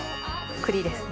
栗ですね。